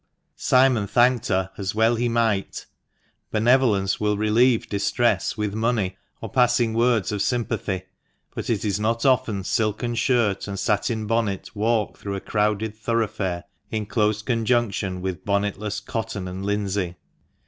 Simon thanked her, as well he might. Benevolence will relieve distress with money, or passing words of sympathy, but it is not often silken skirt and satin bonnet walk through a crowded thoroughfare in close conjunction with bonnetless cotton and linsey.